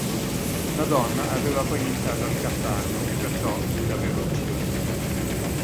La donna aveva poi iniziato a ricattarlo e perciò lui l'aveva uccisa.